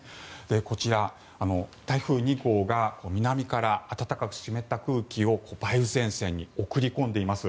こちら、台風２号が南から暖かく湿った空気を梅雨前線に送り込んでいます。